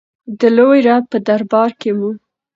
د لوی رب په دربار کې مو.